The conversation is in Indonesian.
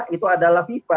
itu adalah tiva